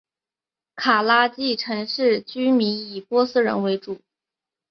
卡拉季城内居民以波斯人为主。